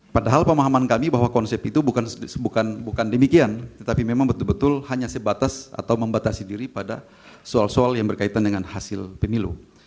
padahal pemahaman kami bahwa konsep itu bukan demikian tetapi memang betul betul hanya sebatas atau membatasi diri pada soal soal yang berkaitan dengan hasil pemilu